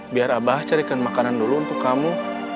biar abah carikan makanan dulu untuk kamu